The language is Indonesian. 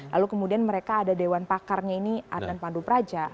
lalu kemudian mereka ada dewan pakarnya ini adnan pandu praja